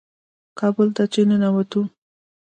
کابل ته چې ننوتو.